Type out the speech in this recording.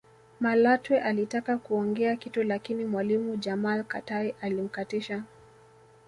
Malatwe alitaka kuongea kitu lakini mwalimu Jamal Katai alimkatisha